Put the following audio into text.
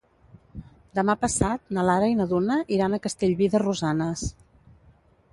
Demà passat na Lara i na Duna iran a Castellví de Rosanes.